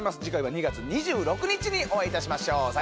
次回は２月２６日にお会いいたしましょう。